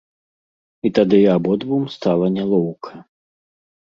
І тады абодвум стала нялоўка.